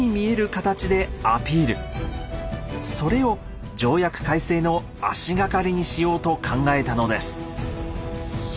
それを条約改正の足がかりにしようと考えたのです。